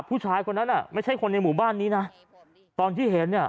ผู้ชายคนนั้นอ่ะไม่ใช่คนในหมู่บ้านนี้นะตอนที่เห็นเนี่ย